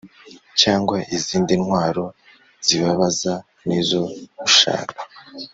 cyangwa izindi ntwaro zibabaza nizo ushaka